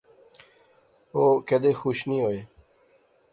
او کیدے خوش نی ہوئے